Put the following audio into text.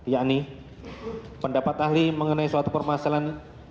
yakni pendapat ahli mengenai suatu permasalahan